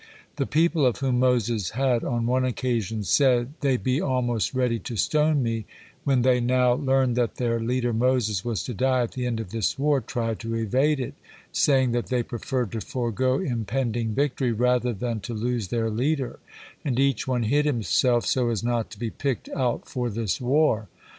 The people of whom Moses had on one occasion said, "They be almost ready to stone me," when they now learned that their leader Moses was to die at the end of this war, tried to evade it, saying that they preferred to forego impending victory rather than to lose their leader, and each one hid himself, so as not to be picked out for this war.